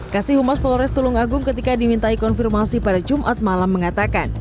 kasih humas polres tulung agung ketika dimintai konfirmasi pada jumat malam mengatakan